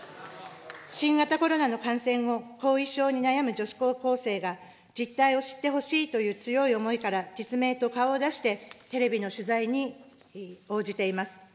新型コロナの感染後、後遺症に悩む女子高校生が、実態を知ってほしいという強い思いから、実名と顔を出して、テレビの取材に応じています。